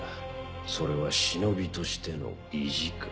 それは忍としての意地か？